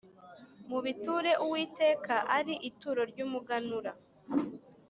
Mubiture Uwiteka ari ituro ry umuganura